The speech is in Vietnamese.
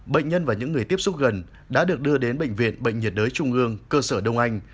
bệnh nhân và những người tiếp xúc gần đã được đưa đến bệnh viện bệnh nhiệt đới trung ương cơ sở đông anh